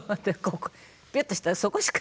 ピュッとしたらそこしか。